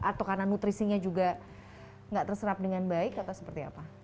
atau karena nutrisinya juga nggak terserap dengan baik atau seperti apa